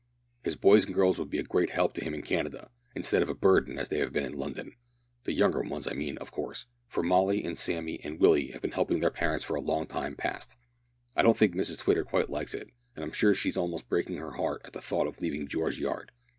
His boys and girls will be a great help to him in Canada, instead of a burden as they have been in London the younger ones I mean, of course, for Molly, and Sammy, and Willie have been helping their parents for a long time past. I don't think Mrs Twitter quite likes it, and I'm sure she's almost breaking her heart at the thought of leaving George Yard.